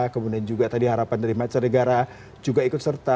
kemudian juga tadi harapan dari mancanegara juga ikut serta